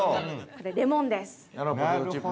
これ、レモンです。